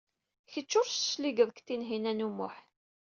Kecc ur d-tecliged seg Tinhinan u Muḥ.